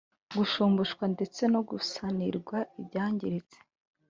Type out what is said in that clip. gushumbushwa ndetse no gusanirwa ibyangiritse